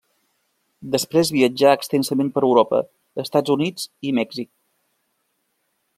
Després viatjà extensament per Europa, Estats Units i Mèxic.